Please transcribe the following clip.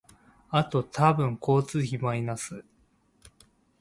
あと多分交通費マイナス